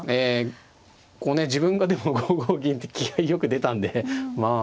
こうね自分がでも５五銀って気合いよく出たんでまあ。